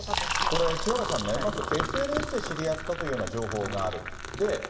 これ、清原さんね、まずＳＮＳで知り合ったという情報がある。